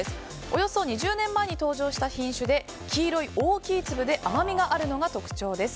およそ２０年前に登場した品種で黄色い大きい粒で甘みがあるのが特徴です。